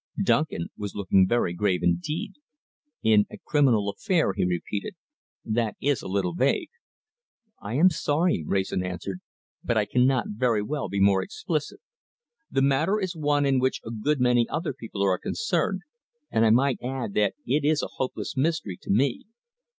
Duncan was looking very grave indeed. "In a criminal affair," he repeated. "That is a little vague." "I am sorry," Wrayson answered, "but I cannot very well be more explicit. The matter is one in which a good many other people are concerned, and I might add that it is a hopeless mystery to me.